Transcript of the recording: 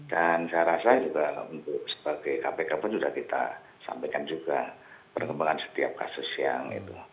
dan saya rasa juga untuk sebagai kpk pun sudah kita sampaikan juga perkembangan setiap kasus yang itu